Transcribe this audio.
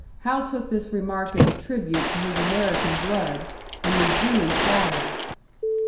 Hal took this remark as a tribute to his American blood, and was duly flattered.